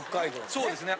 そうですね。